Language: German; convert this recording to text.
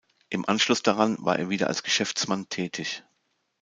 Im Anschluss daran war er wieder als Geschäftsmann tätig.